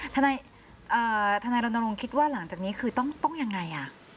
ท่านายเอ่อท่านายรณรงค์คิดว่าหลังจากนี้คือต้องต้องยังไงอ่ะ